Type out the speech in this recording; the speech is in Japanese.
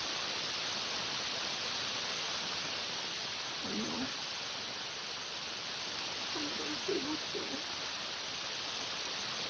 これじゃ俺ホントに独りぼっちじゃねえか。